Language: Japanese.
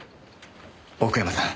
奥山さん。